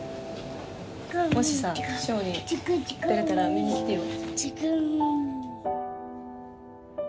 もしさショーに出れたら見に来てよ